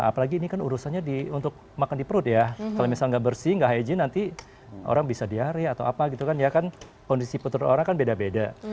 apalagi ini kan urusannya untuk makan di perut ya kalau misalnya nggak bersih nggak hygiene nanti orang bisa diare atau apa gitu kan ya kan kondisi perut orang kan beda beda